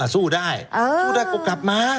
สู้ได้ก็กลับมา